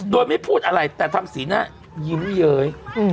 โดยไม่พูดอะไรแต่ทำสีหน้ายิ้มเย้ย